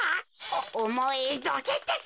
おおもいどけってか！